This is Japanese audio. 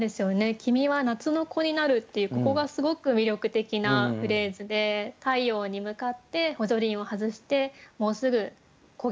「君は夏の子になる」っていうここがすごく魅力的なフレーズで太陽に向かって補助輪を外してもうすぐこぎ